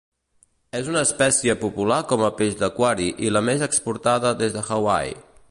És una espècie popular com a peix d'aquari i la més exportada des de Hawaii.